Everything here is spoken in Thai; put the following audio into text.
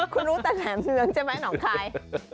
คุณรู้แต่แหลมเฟืองใช่ไหมหนองคาย